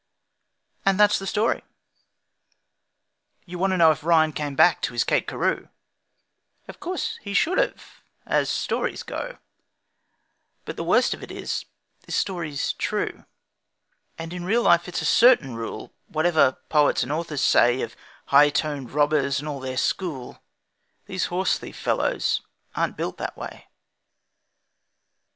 And that's the story. You want to know If Ryan came back to his Kate Carew; Of course he should have, as stories go, But the worst of it is, this story's true: And in real life it's a certain rule, Whatever poets and authors say Of high toned robbers and all their school, These horsethief fellows aren't built that way.